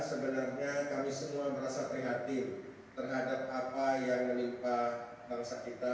sebenarnya kami semua merasa prihatin terhadap apa yang menimpa bangsa kita